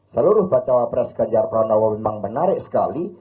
seluruh bacawa pres ganjar pranowo memang menarik sekali